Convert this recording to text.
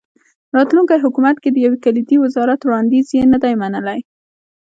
راتلونکي حکومت کې د یو کلیدي وزارت وړاندیز یې نه دی منلی.